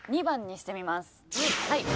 ２番にしてみます。